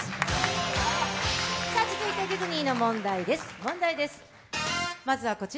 続いてディズニーの問題です。